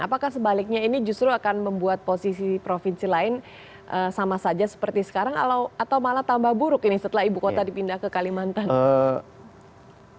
apakah sebaliknya ini justru akan membuat posisi provinsi lain sama saja seperti sekarang atau malah tambah buruk ini setelah ibu kota dipindah ke kalimantan